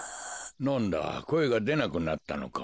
なんだこえがでなくなったのか。